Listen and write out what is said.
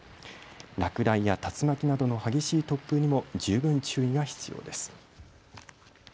落雷や竜巻などの激しい突風にも十分注意が必要です。